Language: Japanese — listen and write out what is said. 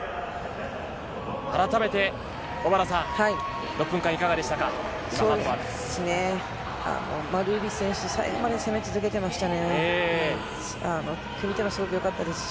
改めて小原さん、６分間いかがでした？